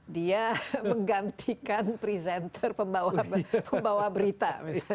dia menggantikan presenter pembawa berita